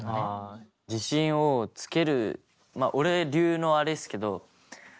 自信をつける俺流のあれっすけど何か。